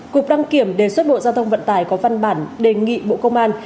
cục đăng kiểm đề xuất bộ giao thông vận tải có văn bản đề nghị bộ công an